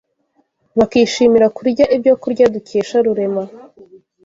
bakishimira kurya ibyokurya dukesha Rurema.